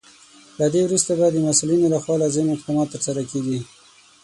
له دې وروسته به د مسولینو لخوا لازم اقدامات ترسره کیږي.